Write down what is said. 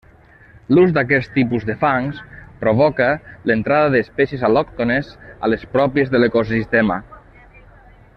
L'ús d'aquest tipus de fangs provoca l'entrada d'espècies al·lòctones a les pròpies de l'ecosistema.